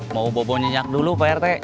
mau bobo nyenyak dulu pak rt